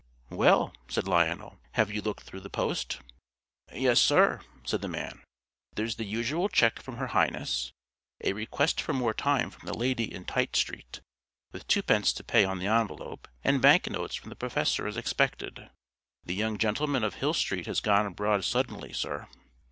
"Well," said Lionel, "have you looked through the post?" "Yes, Sir," said the man. "There's the usual cheque from Her Highness, a request for more time from the lady in Tite Street with twopence to pay on the envelope, and banknotes from the Professor as expected. The young gentleman of Hill Street has gone abroad suddenly, Sir."